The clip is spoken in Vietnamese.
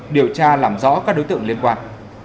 điều tra làm rõ các đối tượng liên quan